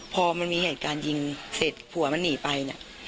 พอมีเหตุการณ์หลายสบานปวนหนีไป